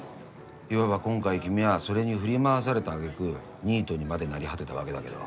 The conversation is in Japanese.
いわば今回君はそれに振り回されたあげくニートにまでなり果てたわけだけど。